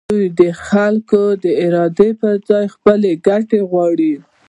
دوی د خلکو د ارادې پر ځای خپلې ګټې غواړي.